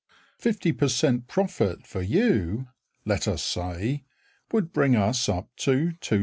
Fifty per cent. profit for you, let us say, Would bring us up to 2s.